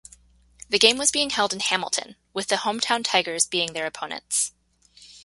The game was being held in Hamilton, with the home-town Tigers being their opponents.